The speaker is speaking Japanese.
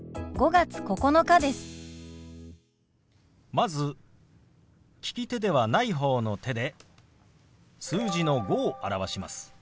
まず利き手ではない方の手で数字の「５」を表します。